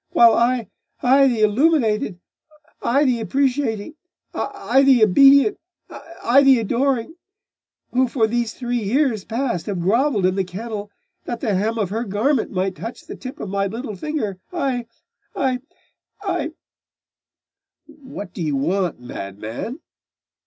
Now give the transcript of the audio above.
while I I the illuminated I the appreciating I the obedient I the adoring who for these three years past have grovelled in the kennel, that the hem of her garment might touch the tip of my little finger I I I ' 'What do you want, madman?